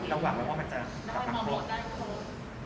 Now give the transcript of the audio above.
ตั้งหวังว่ามันจะทำครบ